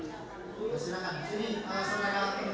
kemudian ada berarti